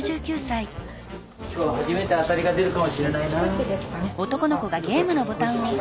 今日は初めて当たりが出るかもしれないな。